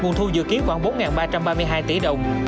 nguồn thu dự kiến khoảng bốn ba trăm ba mươi hai tỷ đồng